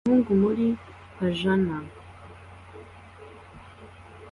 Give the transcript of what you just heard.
Umuhungu muri pajama